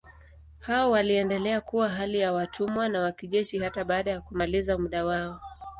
Hao waliendelea kuwa hali ya watumwa wa kijeshi hata baada ya kumaliza muda wao.